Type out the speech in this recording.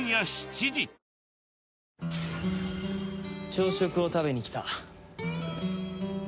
朝食を食べに来た。